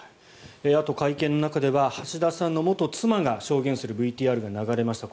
あと、会見の中では橋田さんの元妻が証言するＶＴＲが流れました。